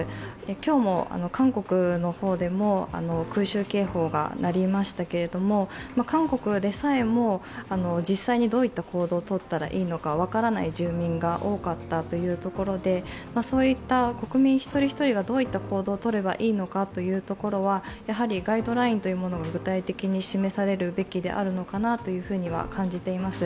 今日も韓国の方でも空襲警報が鳴りましたけれども韓国でさえも実際にどういった行動を取ったらいいのか分からない住民が多かったということで、そういった国民一人一人がどういった行動をとればいいのかというところは、やはりガイドラインが具体的に示されるべきであるのかなと感じています。